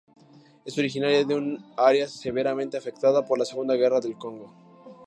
Es originaria de un área severamente afectada por la Segunda Guerra del Congo.